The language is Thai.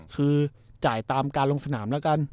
คือจ่ายตามการลงสนามแล้วกัน